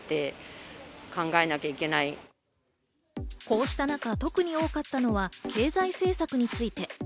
こうした中、特に多かったのは、経済政策について。